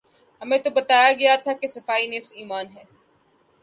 ہمیں تو بتایا گیا تھا کہ صفائی نصف ایمان ہے۔